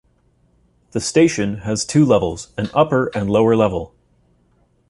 The station has two levels, an upper and lower level.